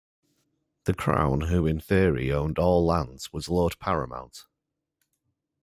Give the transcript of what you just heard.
The Crown, who in theory owned all lands, was "lord paramount".